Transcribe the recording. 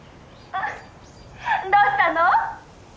「あっどうしたの？」